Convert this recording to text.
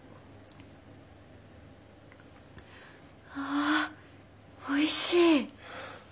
あおいしい。